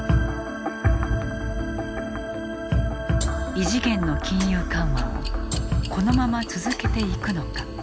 異次元の金融緩和をこのまま続けていくのか。